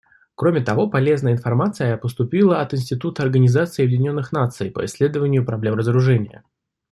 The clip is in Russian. Кроме того, полезная информация поступила от Института Организации Объединенных Наций по исследованию проблем разоружения.